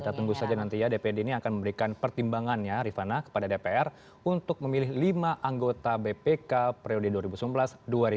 kita tunggu saja nanti ya dpd ini akan memberikan pertimbangannya rifana kepada dpr untuk memilih lima anggota bpk periode dua ribu sembilan belas dua ribu dua puluh